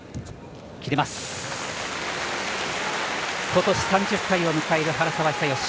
ことし３０歳を迎える原沢久喜。